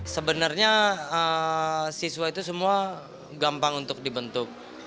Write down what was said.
sebenarnya siswa itu semua gampang untuk dibentuk